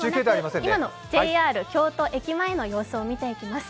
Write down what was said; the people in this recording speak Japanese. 今のＪＲ京都駅前の様子を見ていきます。